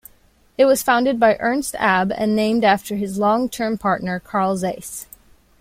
It was founded by Ernst Abbe and named after his long-term partner Carl Zeiss.